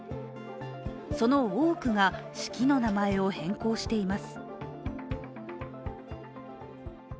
その多くが式の名前を変更しています。